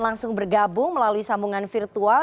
langsung bergabung melalui sambungan virtual